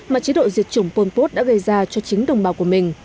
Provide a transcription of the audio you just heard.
mà chế độ diệt chủng pol pot đã gây ra cho chính đồng bào của mình